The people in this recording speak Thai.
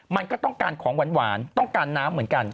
มันก็ต้องการของหวานต้องการน้ำเหมือนกัน